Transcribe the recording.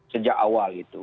sejak awal itu